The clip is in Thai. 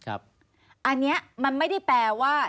อันนี้มันไม่ได้แปลว่า